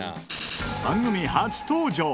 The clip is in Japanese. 番組初登場！